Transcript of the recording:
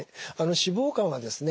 脂肪肝はですね